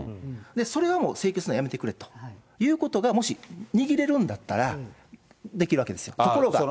それはもう、請求するのはやめてくれということが、もし逃げれるんだったら、できるわけですよ。